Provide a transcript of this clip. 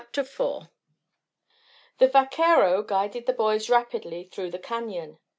IV The vaquero guided the boys rapidly through the canon.